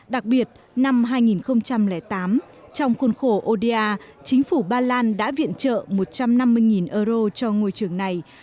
đặc biệt năm hai nghìn tám trong khuôn khổ oda chính phủ ba lan đã viện trợ một trăm năm mươi euro cho ngôi trường này